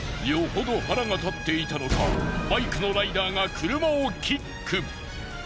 よほど腹が立っていたのかバイクのライダーが車をキック！